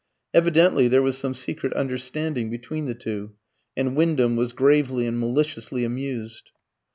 Evidently there was some secret understanding between the two, and Wyndham was gravely and maliciously amused.